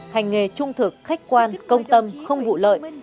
hành nghề trung thực khách quan công tâm không vụ lợi